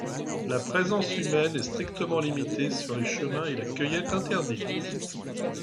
La présence humaine est strictement limitée sur les chemins et la cueillette interdite.